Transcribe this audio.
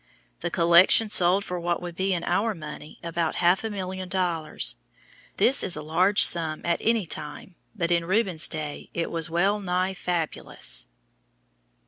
The collection sold for what would be in our money about half a million dollars. This is a large sum at any time but in Rubens' day it was well nigh fabulous.